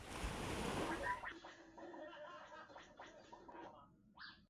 大厦的主要租户包括美林集团及美国运通大型金融机构。